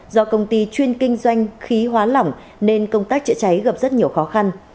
do công ty chuyên kinh doanh khí hóa lỏng nên công tác chữa cháy gặp rất nhiều khó khăn